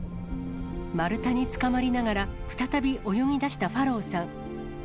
丸太につかまりながら、再び泳ぎ出したファロウさん。